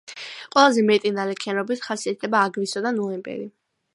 ყველაზე მეტი ნალექიანობით ხასიათდება აგვისტო და ნოემბერი.